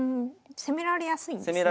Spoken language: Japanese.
攻められやすいんですね。